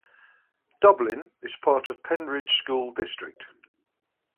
Dublin is part of Pennridge School District.